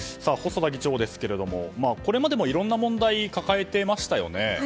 細田議長ですけどもこれまでもいろんな問題を抱えていましたよね。